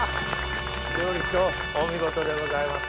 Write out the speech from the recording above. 料理長お見事でございます。